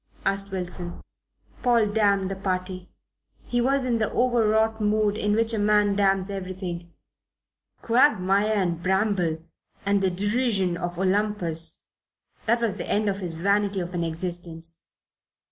asked Wilson. Paul damned the party. He was in the overwrought mood in which a man damns everything. Quagmire and bramble and the derision of Olympus that was the end of his vanity of an existence.